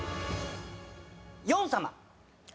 ヨン様